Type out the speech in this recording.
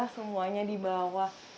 semuanya di bawah